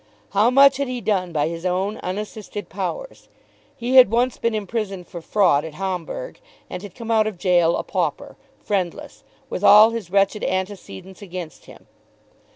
How much had he done by his own unassisted powers! He had once been imprisoned for fraud at Hamburgh, and had come out of gaol a pauper; friendless, with all his wretched antecedents against him.